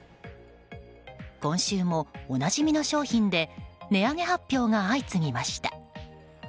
今週もおなじみの商品で値上げ発表が相次ぎました。